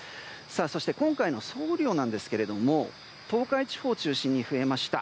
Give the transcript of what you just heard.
そして今回の総雨量なんですが東海地方を中心に増えました。